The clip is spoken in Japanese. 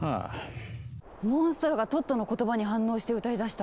モンストロがトットの言葉に反応して歌いだした。